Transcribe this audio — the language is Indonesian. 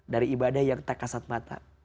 dari ibadah yang tak kasat mata